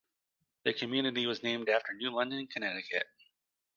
The community was named after New London, Connecticut.